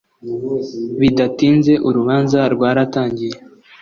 Bidatinze urubanza rwaratangiye